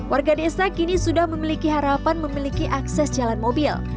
warga desa kini sudah memiliki harapan memiliki akses jalan mobil